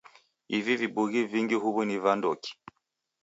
Ivi vibughi vingi huw'u ni vandoki?